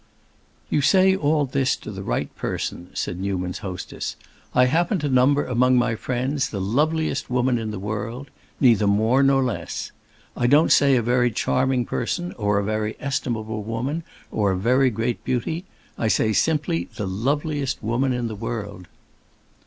"You say all this to the right person," said Newman's hostess. "I happen to number among my friends the loveliest woman in the world. Neither more nor less. I don't say a very charming person or a very estimable woman or a very great beauty; I say simply the loveliest woman in the world."